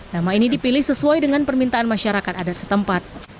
nama ini dipilih sesuai dengan permintaan masyarakat adat setempat